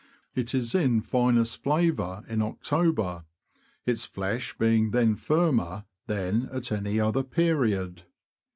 It is in finest flavour in October, its flesh being then firmer than at any other period.